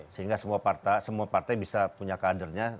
sehingga semua partai bisa punya kadernya